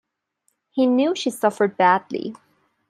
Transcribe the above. He knew she suffered badly.